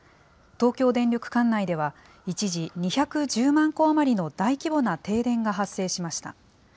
東京電力管内では、一時２１０万戸余りの大規模な停電が発生しました。